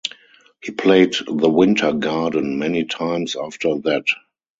He played the Winter Garden many times after that.